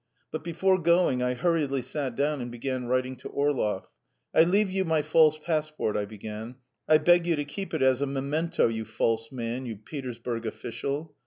But before going I hurriedly sat down and began writing to Orlov: "I leave you my false passport," I began. "I beg you to keep it as a memento, you false man, you Petersburg official!